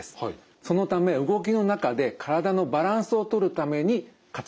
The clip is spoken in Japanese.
そのため動きの中で体のバランスをとるために活躍します。